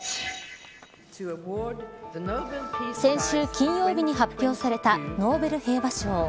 先週金曜日に発表されたノーベル平和賞。